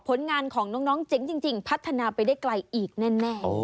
ผลงานของน้องเจ๋งจริงพัฒนาไปได้ไกลอีกแน่